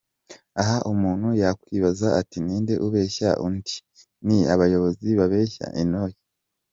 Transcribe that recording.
Aha umuntu yakwibaza ati”ninde ubeshya undi ?Ni abayobozi babeshya inteko?